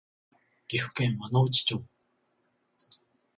岐阜県輪之内町